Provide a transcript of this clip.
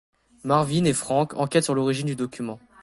Marvin et Franck enquêtent sur l'origine du document.